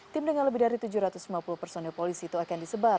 tim dengan lebih dari tujuh ratus lima puluh personil polisi itu akan disebar